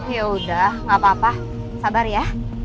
yaudah gak apa apa sabar ya